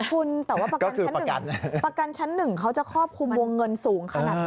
คุณแต่ว่าประกันชั้น๑ประกันชั้น๑เขาจะครอบคลุมวงเงินสูงขนาดไหน